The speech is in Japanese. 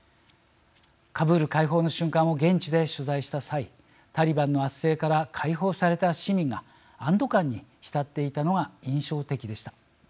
カブール解放の瞬間を現地で取材した際タリバンの圧政から解放された市民が安堵感に浸っていたのが印象的でした。